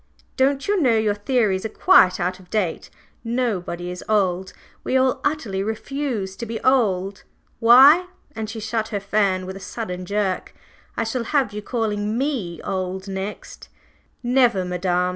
"Don't you know your theories are quite out of date? Nobody is old, we all utterly refuse to be old! Why," and she shut her fan with a sudden jerk, "I shall have you calling me old next." "Never, madam!"